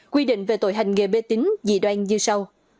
quy định về tội hành nghề mê tính dị đoan như sau